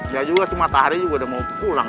ya juga si matahari juga udah mau pulang